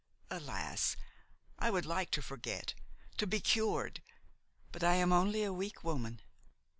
Alas! I would like to forget, to be cured! but I am only a weak woman.